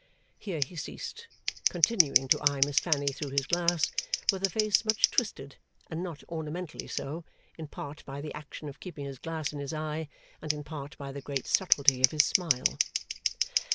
Here he ceased; continuing to eye Miss Fanny through his glass, with a face much twisted, and not ornamentally so, in part by the action of keeping his glass in his eye, and in part by the great subtlety of his smile.